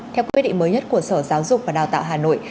theo quyết định mới nhất của sở giáo dục và đào tạo hà nội